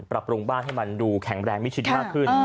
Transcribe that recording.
ปรับปรุงบ้านให้มันดูแข็งแรงมิดชิดมากขึ้น